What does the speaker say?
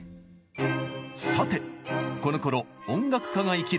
さてこのころ音楽家が生きる道といえば。